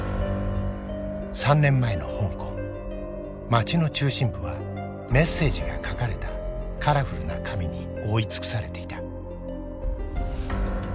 街の中心部はメッセージが書かれたカラフルな紙に覆い尽くされていた。